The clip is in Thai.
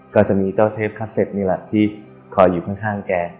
ก็จะมีเจ้าเทพคัสเต็ตนี่แหละที่คอยอยู่ข้างแก